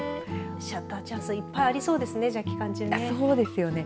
シャッターチャンスいっぱいありそうですね期間中ね。